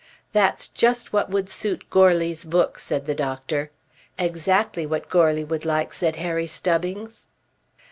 "That's just what would suit Goarly's book," said the doctor. "Exactly what Goarly would like," said Harry Stubbings.